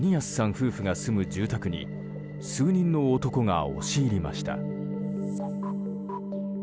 夫婦が住む住宅に数人の男が押し入りました。